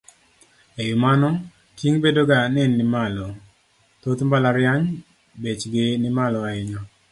E wi mano, ting' bedo ga ni nimalo. Thoth mbalariany bechgi nimalo ahinya.